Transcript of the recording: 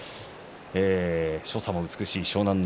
所作も美しい湘南乃